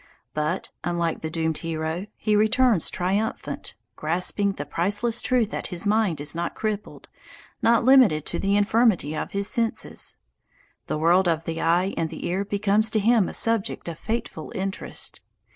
But, unlike the doomed hero, he returns triumphant, grasping the priceless truth that his mind is not crippled, not limited to the infirmity of his senses. The world of the eye and the ear becomes to him a subject of fateful interest.